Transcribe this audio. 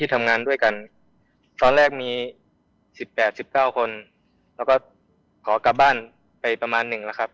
ทำงานด้วยกันตอนแรกมี๑๘๑๙คนแล้วก็ขอกลับบ้านไปประมาณหนึ่งแล้วครับ